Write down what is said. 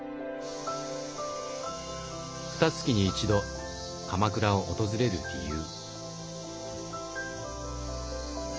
ふた月に一度鎌倉を訪れる理由。